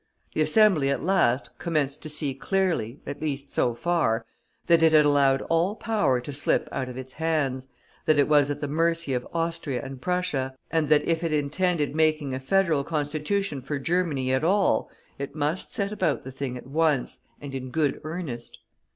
The Assembly, at last, commenced to see clearly, at least so far, that it had allowed all power to slip out of its hands, that it was at the mercy of Austria and Prussia, and that if it intended making a Federal Constitution for Germany at all, it must set about the thing at once and in good earnest.